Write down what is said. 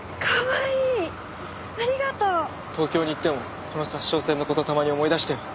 東京に行ってもこの札沼線の事たまに思い出してよ。